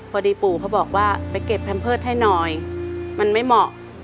ปู่เขาบอกว่าไปเก็บแพมเพิร์ตให้หน่อยมันไม่เหมาะ